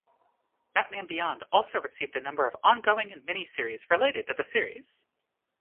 Batman Beyond also received a number of on-going and mini-series related to the series.